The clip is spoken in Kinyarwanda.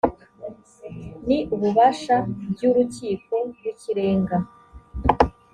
ni ububasha by urukiko rw ikirenga